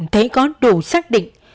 thấy có đủ xác định